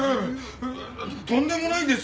とんでもないです！